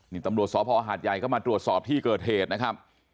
นี่ตำรวจสพหาดใหญ่ก็มาตรวจสอบที่เกิดเหตุนะครับ